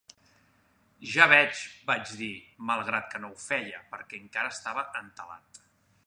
"Ja veig" -vaig dir, malgrat que no ho feia, perquè encara estava entelat.